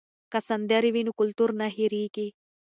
که سندرې وي نو کلتور نه هېریږي.